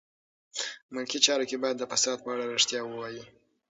ملکي چارواکي باید د فساد په اړه رښتیا ووایي.